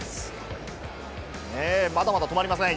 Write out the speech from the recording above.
まだまだ止まりません。